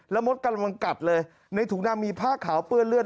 แล้วมดกำลังกัดเลยในถุงดำมีผ้าขาวเปื้อนเลือด